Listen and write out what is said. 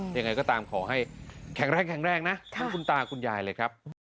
ยังไงก็ตามขอให้แข็งแรงนะคุณตาคุณยายเลยครับ